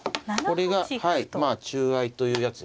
これが中合いというやつですね。